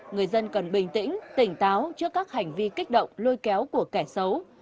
người dân cần bình tĩnh tỉnh táo trước các hành vi kích động lôi kéo của kẻ xấu